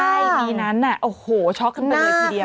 ใช่ปีนั้นโอ้โหช็อกขึ้นไปเลยทีเดียว